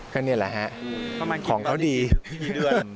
ก็นี่แหละฮะของเขาดีพี่เดือนค่ะ